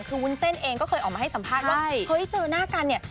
คือวุ้นเส้นเองก็เคยออกมาให้สัมภาษณ์ว่าเฮ้ยเจอหน้ากันเนี่ย